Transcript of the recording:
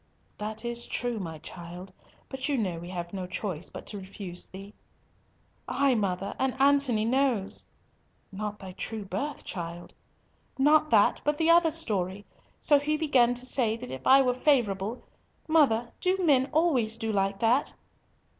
"That is true, my child, but you know we have no choice but to refuse thee." "Ay, mother, and Antony knows." "Not thy true birth, child?" "Not that, but the other story. So he began to say that if I were favourable—Mother, do men always do like that?"